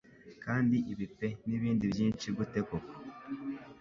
Kandi ibi pe nibindi byinshi gute koko -